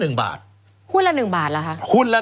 หุ้นละ๑บาทเหรอคะ